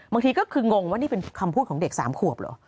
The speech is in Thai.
บางทีก็คืองงว่านี่เป็นคำพูดของเด็ก๓ขวบเหรอ